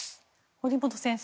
堀本先生